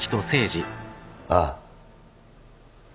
ああ。